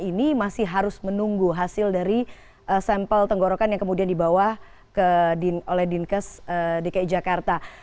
ini masih harus menunggu hasil dari sampel tenggorokan yang kemudian dibawa oleh dinkes dki jakarta